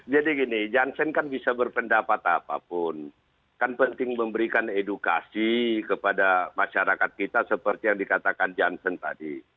jadi gini jansen kan bisa berpendapat apapun kan penting memberikan edukasi kepada masyarakat kita seperti yang dikatakan jansen tadi